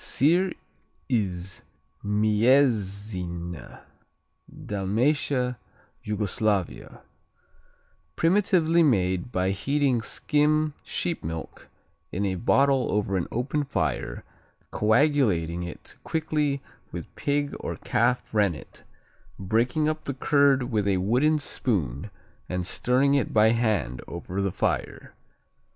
Sir Iz Mjesine Dalmatia, Yugoslavia Primitively made by heating skim sheep milk in a bottle over an open fire, coagulating it quickly with pig or calf rennet, breaking up the curd with a wooden spoon and stirring it by hand over the fire.